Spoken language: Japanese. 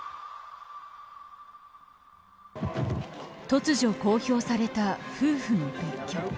突如、公表された夫婦の別居。